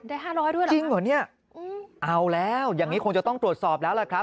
ห้าร้อยด้วยเหรอจริงเหรอเนี่ยเอาแล้วอย่างนี้คงจะต้องตรวจสอบแล้วล่ะครับ